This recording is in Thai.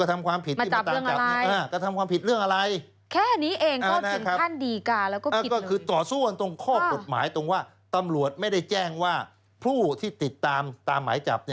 ตำรวจไม่ได้แจ้งว่าผู้ที่ติดตามตามหมายจับ